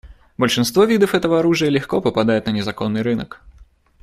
Большинство видов этого оружия легко попадает на незаконный рынок.